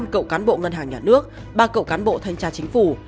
một mươi năm cậu cán bộ ngân hàng nhà nước ba cậu cán bộ thanh tra chính phủ